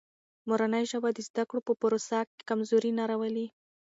مورنۍ ژبه د زده کړو په پروسه کې کمزوري نه راولي.